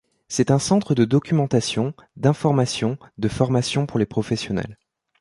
C'est un centre de documentation, d'information, de formation pour les professionnels.